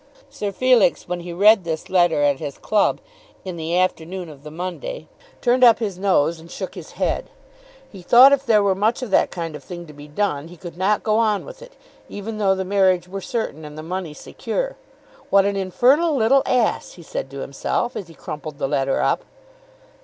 Sir Felix when he read this letter at his club in the afternoon of the Monday, turned up his nose and shook his head. He thought if there were much of that kind of thing to be done, he could not go on with it, even though the marriage were certain, and the money secure. "What an infernal little ass!" he said to himself as he crumpled the letter up.